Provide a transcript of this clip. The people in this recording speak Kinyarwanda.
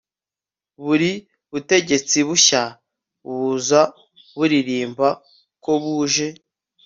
buri butegetsi bushya buza buririmba ko buje